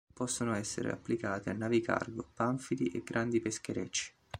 Possono essere applicate a navi cargo, panfili e grandi pescherecci.